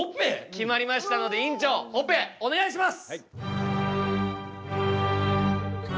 決まりましたので院長オペお願いします！